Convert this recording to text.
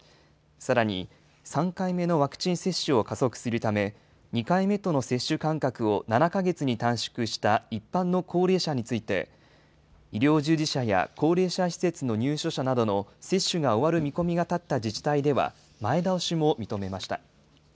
さらに、３回目のワクチン接種を加速するため、２回目との接種間隔を７か月に短縮した一般の高齢者について、医療従事者や高齢者施設の入所者などの接種が終わる見込みが立った自治体では、前倒しも認めました。